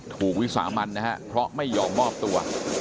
ถูกวิสามันนะครับเพราะไม่ยอมมอบตัว